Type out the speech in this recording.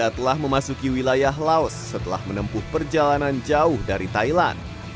telah memasuki wilayah laos setelah menempuh perjalanan jauh dari thailand